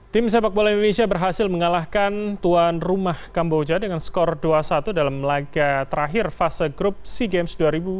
tim sepak bola indonesia berhasil mengalahkan tuan rumah kamboja dengan skor dua satu dalam laga terakhir fase grup sea games dua ribu dua puluh